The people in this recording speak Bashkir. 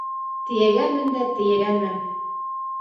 Тейәгәнмен дә тейәгәнмен.